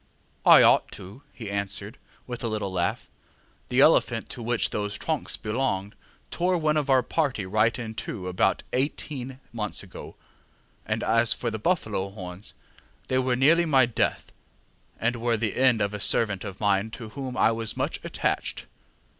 ŌĆ£I ought to, ŌĆØ he answered, with a little laugh; ŌĆ£the elephant to which those tusks belonged tore one of our party right in two about eighteen months ago, and as for the buffalo horns, they were nearly my death, and were the end of a servant of mine to whom I was much attached.